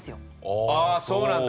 ああそうなんだ。